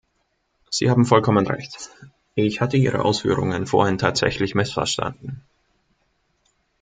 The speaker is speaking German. Sie haben vollkommen Recht, ich hatte Ihre Ausführungen vorhin tatsächlich missverstanden.